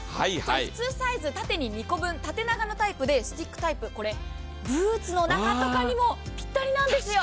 普通サイズ、立てに２個分、縦長タイプで２個分、スティックタイプ、ブーツの中とかにもぴったりなんですよ。